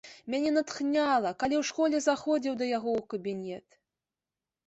Мяне натхняла, калі ў школе заходзіў да яго ў кабінет.